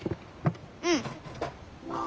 うん。